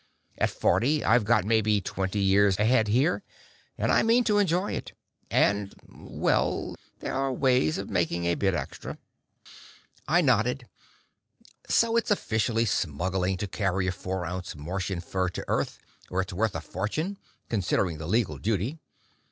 At forty, I've got maybe twenty years ahead here, and I mean to enjoy it. And well, there are ways of making a bit extra...." I nodded. So it's officially smuggling to carry a four ounce Martian fur to Earth where it's worth a fortune, considering the legal duty.